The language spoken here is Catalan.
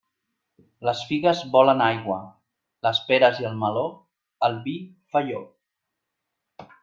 Les figues volen aigua; les peres i el meló, el vi felló.